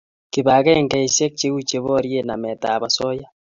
Kibagengeisiek cheu cheborie nametap osoya